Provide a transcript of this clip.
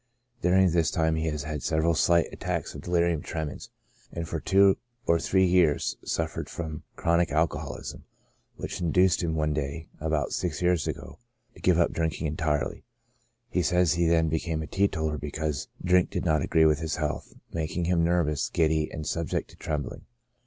During this time he had several slight attacks of delirium tremens, and for two or three years suf fered from chronic alcoholism, which induced him one day, about six years ago, to give up drinking entirely. He says he then became a teetotaller because drink did not agree with his health, making him nervous, giddy, and subject to trembling.